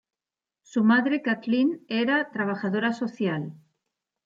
Su madre, Kathleen, era trabajadora social.